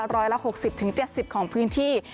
ร้อยละ๖๐๗๐ของพื้นที่